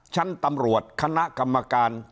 ชั้นตำรวจคณะกรรมการ